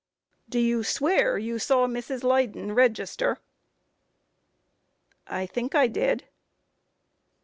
Q. Do you swear you saw Mrs. Leyden register? A. I think I did.